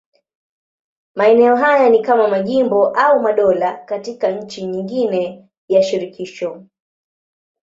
Maeneo haya ni kama majimbo au madola katika nchi nyingine ya shirikisho.